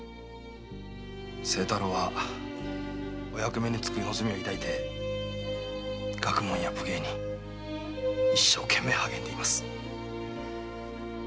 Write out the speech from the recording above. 清太郎はお役目に就く望みを抱いて学問や武芸に一生懸命励んでいます。